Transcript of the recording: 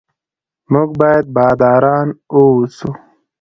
موږ باید باداران اوسو.